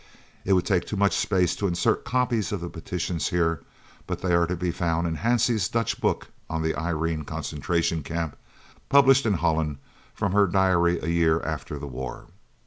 It would take too much space to insert copies of the petitions here, but they are to be found in Hansie's Dutch book on the Irene Concentration Camp, published in Holland from her diary a year after the war.